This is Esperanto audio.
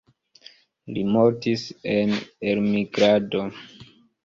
Li mortis en elmigrado.